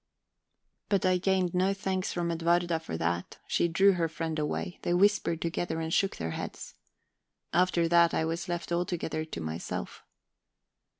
But I gained no thanks from Edwarda for that: she drew her friend away; they whispered together and shook their heads. After that, I was left altogether to myself.